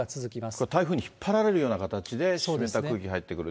これ、台風に引っ張られるような形で湿った空気入ってくる。